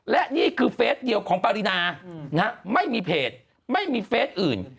และนี่คือเฟสเดียวของปรินาไม่มีเพจไม่มีเฟสอื่น